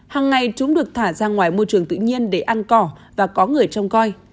hằng ngày chúng được thả ra ngoài môi trường tự nhiên để ăn cỏ và có người trong coi